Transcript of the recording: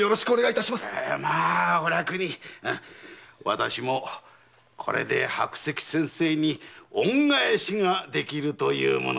私もこれで白石先生に恩返しができるというもの。